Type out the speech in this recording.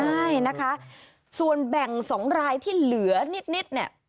ใช่นะคะส่วนแบ่ง๒รายที่เหลือนิดเนี่ย